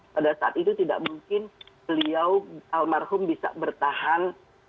pada saat itu tidak mungkin beliau almarhum bisa bertahan